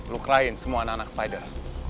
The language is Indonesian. lo krayin semua anak anak spider